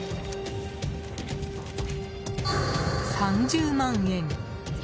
３０万円。